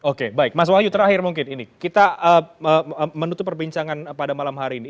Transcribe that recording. oke baik mas wahyu terakhir mungkin ini kita menutup perbincangan pada malam hari ini